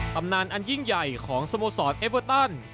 ตำนานอันยิ่งใหญ่ของสโมสรเอเวอร์ตัน